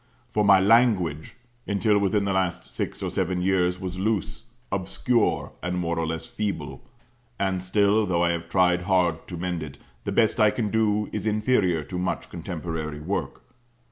For my "language," until within the last six or seven years, was loose, obscure, and more or less feeble; and still, though I have tried hard to mend it, the best I can do is inferior to much contemporary work.